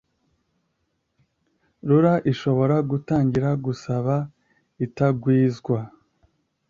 rura ishobora gutangiza gusaba itangwizwa